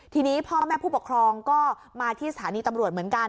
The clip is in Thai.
ทีนี้พ่อแม่ผู้ปกครองก็มาที่สถานีตำรวจเหมือนกัน